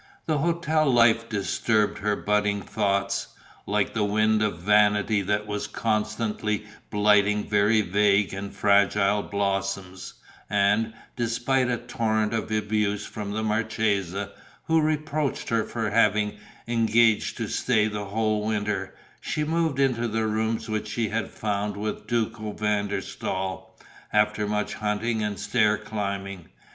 The hotel life disturbed her budding thoughts, like a wind of vanity that was constantly blighting very vague and fragile blossoms; and, despite a torrent of abuse from the marchesa, who reproached her with having engaged to stay the whole winter, she moved into the rooms which she had found with Duco van der Staal, after much hunting and stair climbing.